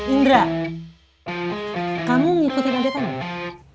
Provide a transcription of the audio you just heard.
indra kamu ngikutin adik kamu